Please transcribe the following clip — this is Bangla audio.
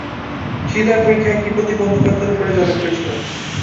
সীতার পরীক্ষা প্রতিটি প্রতিবন্ধকতার উপরে জয়লাভ করেছিল।